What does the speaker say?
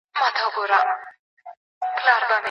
د هر شاعر د کلمو نښلول ځانګړې بڼه لري.